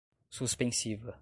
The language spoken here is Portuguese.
suspensiva